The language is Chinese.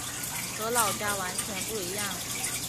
和老家完全不一样